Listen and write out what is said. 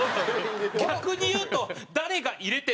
逆に言うと。